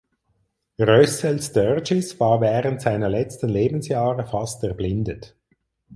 Russell Sturgis war während seiner letzten Lebensjahre fast erblindet.